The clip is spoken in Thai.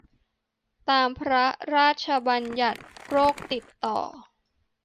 ตามพระราชบัญญัติโรคติดต่อ